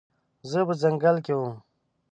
زه په ځنګل کې وم